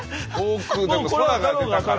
航空でも空が出たから。